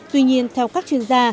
tuy nhiên theo các chuyên gia